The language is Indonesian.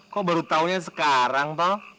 kok baru taunya sekarang